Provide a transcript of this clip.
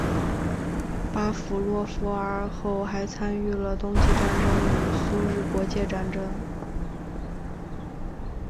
巴甫洛夫尔后还参与了冬季战争与苏日国界战争。